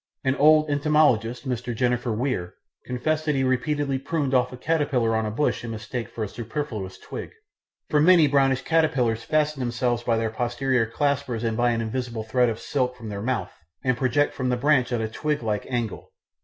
An old entomologist, Mr. Jenner Weir, confessed that he repeatedly pruned off a caterpillar on a bush in mistake for a superfluous twig, for many brownish caterpillars fasten themselves by their posterior claspers and by an invisible thread of silk from their mouth, and project from the branch at a twig like angle.